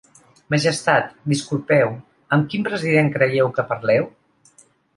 Majestat, disculpeu, amb quin president creieu que parleu?